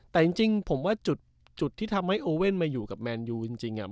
แต่จริงจริงผมว่าจุดจุดที่ทำให้โอเว่นมาอยู่กับแมนยูจริงจริงอ่ะ